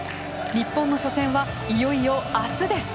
日本の初戦はいよいよ明日です。